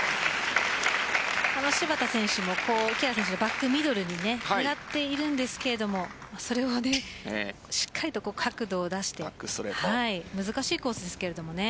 芝田選手も木原選手のバックミドルに狙っているんですけれどそれをしっかり角度を出して難しいコースですけれどもね。